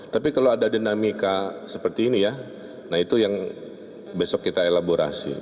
tapi kalau ada dinamika seperti ini ya nah itu yang besok kita elaborasi